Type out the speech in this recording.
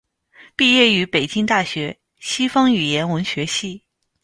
毕业于北京大学西方语言文学系。